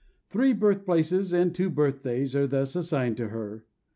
Three birthplaces and two birthdays are thus assigned to her.